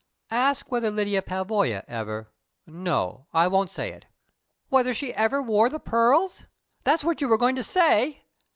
"Ask whether Lyda Pavoya ever no, I won't say it!" "Whether she ever wore the pearls? That's what you were going to say!"